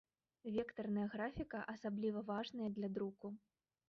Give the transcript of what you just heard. Вектарная графіка асабліва важная для друку.